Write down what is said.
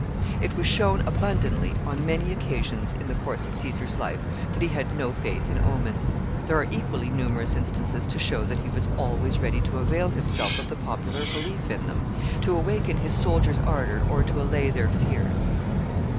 It was shown abundantly, on many occasions in the course of Caesar's life, that he had no faith in omens. There are equally numerous instances to show that he was always ready to avail himself of the popular belief in them; to awaken his soldiers' ardor or to allay their fears.